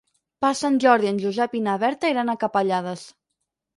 Per Sant Jordi en Josep i na Berta iran a Capellades.